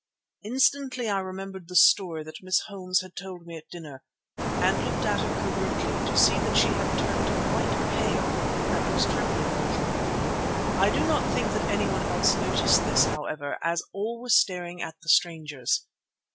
Instantly I remembered the story that Miss Holmes had told me at dinner and looked at her covertly, to see that she had turned quite pale and was trembling a little. I do not think that anyone else noticed this, however, as all were staring at the strangers.